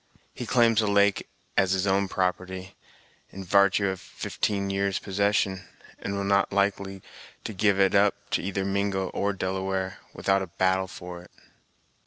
He claims the lake as his own property, in vartue of fifteen years' possession, and will not be likely to give it up to either Mingo or Delaware without a battle for it!"